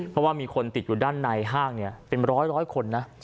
เพราะว่ามีคนติดอยู่ด้านในห้างเป็นร้อยคนนะ